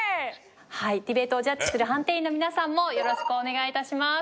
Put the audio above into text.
ディベートをジャッジする判定員の皆さんもよろしくお願い致します。